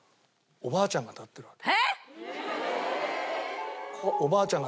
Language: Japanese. おばあちゃんが立ってるわけ。